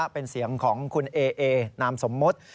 เป็นเสียงของคุณเอเอนามสมมติ